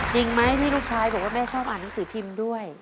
จริงไหมที่ลูกชายบอกว่าแม่ชอบอ่านหนังสือพิมพ์ด้วย